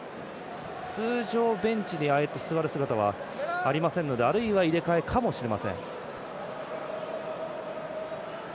通常ベンチでああやって座る姿はありませんのであるいは入れ替えかもしれません。